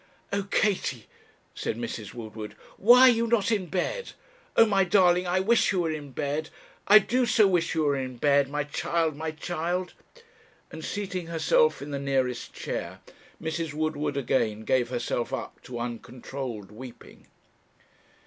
'Oh! Katie,' said Mrs. Woodward, 'why are you not in bed? Oh! my darling, I wish you were in bed; I do so wish you were in bed my child, my child!' and, seating herself in the nearest chair, Mrs. Woodward again gave herself up to uncontrolled weeping.